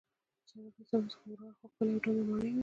د سړک له څنډو څخه ورهاخوا ښکلې او دنګې ماڼۍ وې.